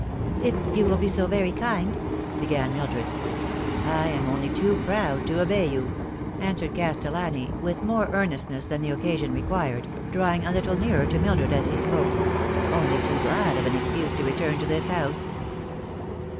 " If you will be so very kind" began Mildred. " I am only too proud to obey you," answered Castellani, with more earnestness than the occasion required, drawing a little nearer to Mildred as he spoke ;" only too glad of an excuse to return to this house."